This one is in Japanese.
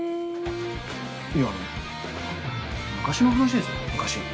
いやあの昔の話ですよ昔。